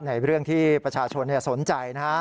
ในเรื่องที่ประชาชนสนใจนะฮะ